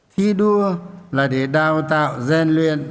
khi đua là để đào tạo gian luyện và giải quyết các kế hoạch